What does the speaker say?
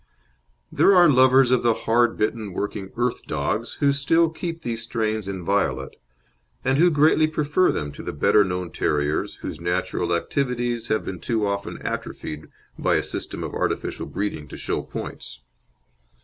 There are lovers of the hard bitten working "earth dogs" who still keep these strains inviolate, and who greatly prefer them to the better known terriers whose natural activities have been too often atrophied by a system of artificial breeding to show points.